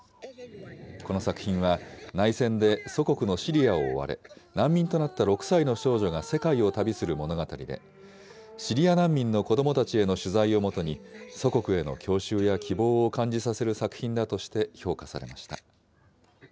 この作品は、内戦で祖国のシリアを追われ、難民となった６歳の少女が世界を旅する物語で、シリア難民の子どもたちへの取材をもとに、祖国への郷愁や希望を感じさせる作品だとして、評価されました。